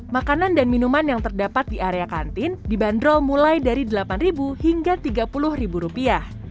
makanan dan minuman yang terdapat di area kantin dibanderol mulai dari delapan hingga tiga puluh rupiah